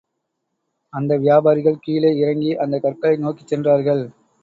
அந்த வியாபாரிகள் கீழே இறங்கி அந்தக் கற்களை நோக்கிச் சென்றார்கள்.